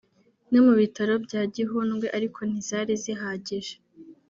no mu bitaro bya Gihundwe ariko ntizari zihagije